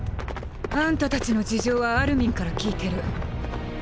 あんたたちの事情はアルミンから聞いてる。